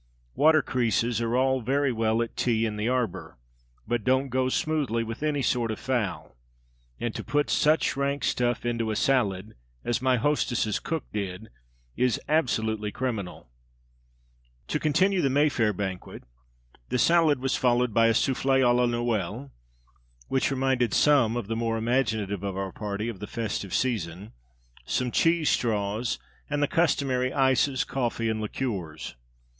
"Water creases" are all very well at tea in the arbour, but don't go smoothly with any sort of fowl; and to put such rank stuff into a salad as my hostess's cook did is absolutely criminal. To continue the Mayfair banquet, the salad was followed by a soufflée à la Noel (which reminded some of the more imaginative of our party of the festive season), some cheese straws, and the customary ices, coffee, and liqueurs.